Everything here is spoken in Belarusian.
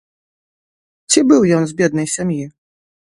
Ці быў ён з беднай сям'і?